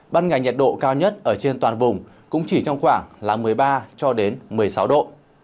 ban ngày nhiệt độ cao nhất ở trên toàn vùng cũng chỉ trong khoảng một mươi ba cho đến một mươi sáu độ